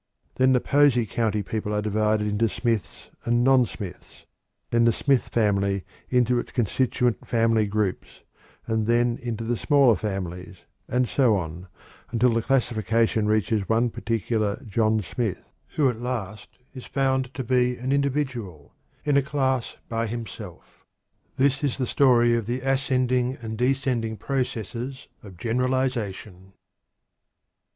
Then the Posey County people are divided into Smiths and non Smiths; then the Smith family into its constituent family groups, and then into the smaller families, and so on, until the classification reaches one particular John Smith, who at last is found to be an individual in a class by himself. This is the story of the ascending and descending processes of generalization.